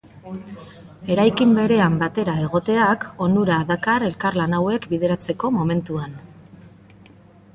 Eraikin berean batera egoteak onura dakar elkarlan hauek bideratzeko momentuan.